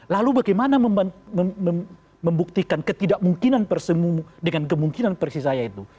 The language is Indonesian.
lalu bagaimana membuktikan ketidakmungkinan dengan kemungkinan presiden saya itu